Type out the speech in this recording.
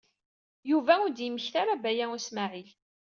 Yuba ur d-yemmekti ara Baya U Smaɛil.